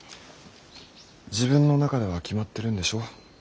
自分の中では決まってるんでしょ。